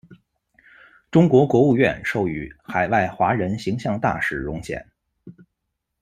中国国务院授予「海外华人形象大使」荣衔。